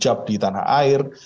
cap di tanah air